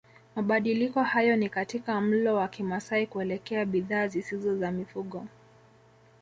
Mabadiliko hayo ni katika mlo wa Kimasai kuelekea bidhaa zisizo za mifugo